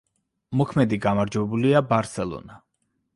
მოქმედი გამარჯვებულია „ბარსელონა“.